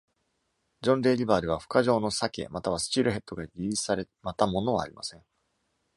ジョン・デイ・リバーでは、孵化場のサケまたはスチールヘッドがリリースされまたものはありません。